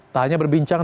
tidak hanya berbincang